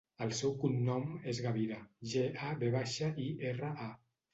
El seu cognom és Gavira: ge, a, ve baixa, i, erra, a.